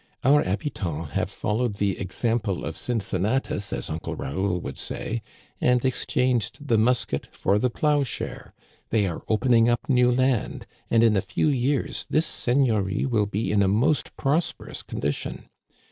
Our habitants have fol lowed the example of Cincinnatus, as Uncle Raoul would say, and exchanged the musket for the plow share. They are opening up new land, and in a few years this seigneurie will be in a most prosperous condi tion.